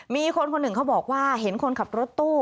มีคนคนหนึ่งเขาบอกว่าเห็นคนขับรถตู้